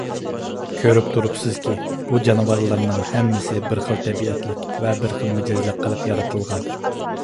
كۆرۈپ تۇرۇپسىزكى، بۇ جانىۋارلارنىڭ ھەممىسى بىر خىل تەبىئەتلىك ۋە بىر خىل مىجەزلىك قىلىپ يارىتىلغان.